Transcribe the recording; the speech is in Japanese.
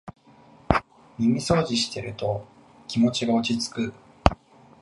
耳そうじしてると気持ちが落ちつく